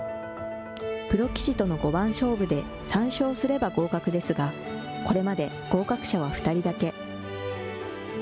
プロ棋士との五番勝負で３勝すれば合格ですが、これまで合格者は２人だけ。